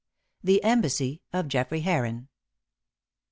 THE EMBASSY OF GEOFFREY HERON.